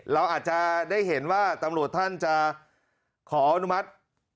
เราอาจจะได้เห็นว่าตำรวจท่านจะขออนุมัติ